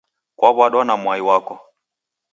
Kwaw'adwa na mwai wako.